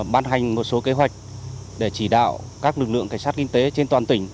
ban hành một số kế hoạch để chỉ đạo các lực lượng cảnh sát kinh tế trên toàn tỉnh